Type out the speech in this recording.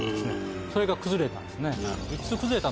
それが崩れたんですね。